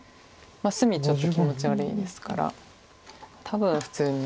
隅ちょっと気持ち悪いですから多分普通に。